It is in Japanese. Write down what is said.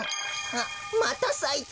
あっまたさいた。